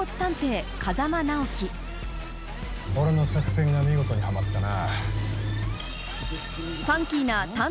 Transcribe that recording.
俺の作戦が見事にはまったな。